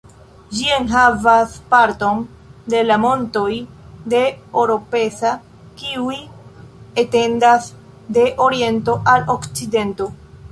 Ĝi enhavas parton de la montoj de Oropesa kiuj etendas de oriento al okcidento.